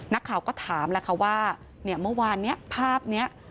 นักข่าก็ถามว่าเมื่อวานนี้ภาพนี้